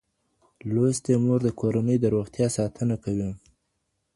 لوستې مور د کورنۍ د روغتيا ساتنه کوي.